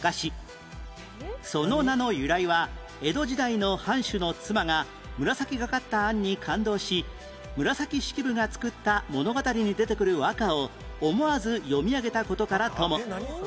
その名の由来は江戸時代の藩主の妻が紫がかった餡に感動し紫式部が作った物語に出てくる和歌を思わずよみ上げた事からとも